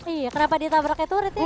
iya kenapa ditabraknya turut nih